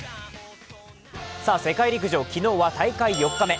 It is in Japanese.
世界陸上、昨日は大会４日目。